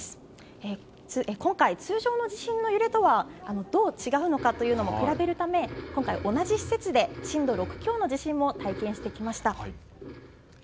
今回、通常の地震の揺れとはどう違うのかを比べるため同じ施設で震度６強の地震も体験してきました。